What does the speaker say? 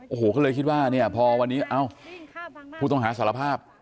โอ้โหก็เลยคิดว่าเนี่ยพอวันนี้เอ้าผู้ต้องหาสารภาพ